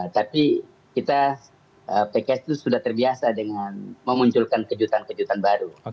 tapi kita pks itu sudah terbiasa dengan memunculkan kejutan kejutan baru